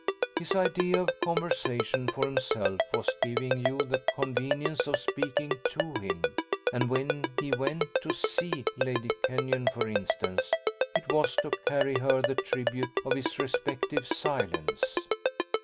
His idea of conversation for himself was giving you the convenience of speaking to him; and when he went to "see" Lady Kenyon for instance it was to carry her the tribute of his receptive silence.